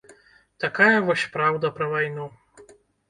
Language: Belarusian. Такая вось праўда пра вайну.